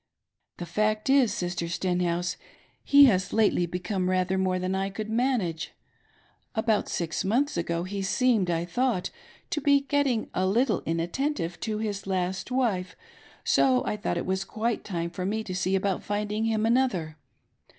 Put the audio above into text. The fact is. Sister Stenhouse, he has lately become rather more than I could manage. About six months ago he: seemed, I thought, to be S^XSig a little inattentive to his last wife, so I thought it was quite time for me to see about finding him another.